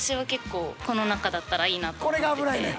［これが危ないねん］